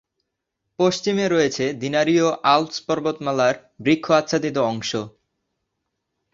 পশ্চিমে রয়েছে দিনারীয় আল্পস পর্বতমালার বৃক্ষ আচ্ছাদিত অংশ।